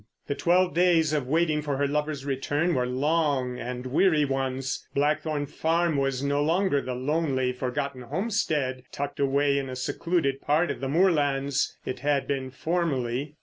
The twelve days of waiting for her lover's return were long and weary ones. Blackthorn Farm was no longer the lonely, forgotten homestead, tucked away in a secluded part of the moorlands it had been formerly.